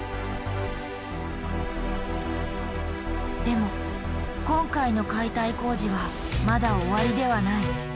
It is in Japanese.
でも今回の解体工事はまだ終わりではない。